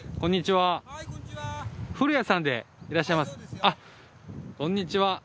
はいこんにちは。